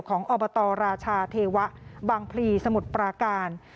อบตราชาเทวะบางพลีสมุทรปราการ